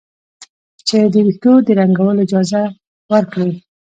چې د ویښتو د رنګولو اجازه ورکړي.